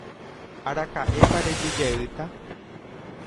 Araka'épa rejujeýta.